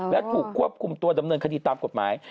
และถูกควบคุมตัวดำเนินคดีตามกฎหมาย